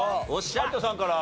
有田さんから。